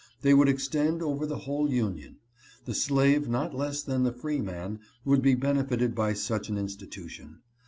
They would extend over the whole Union. The slave not less than the freeman would be benefited by such an institution.